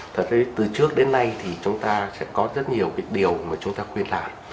thật ra từ trước đến nay thì chúng ta sẽ có rất nhiều điều mà chúng ta khuyên làm